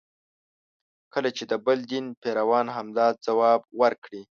کله چې د بل دین پیروان همدا ځواب ورکړي.